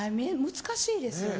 難しいですよね。